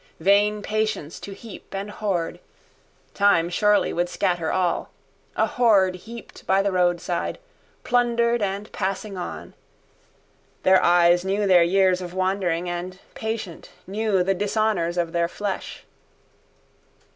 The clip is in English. Vain patience to heap and hoard. Time surely would scatter all. A hoard heaped by the roadside: plundered and passing on. Their eyes knew their years of wandering and, patient, knew the dishonours of their flesh.